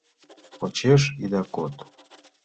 — Почеш ида код!